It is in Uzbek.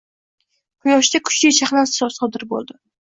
Quyoshda kuchli chaqnash sodir bo‘lding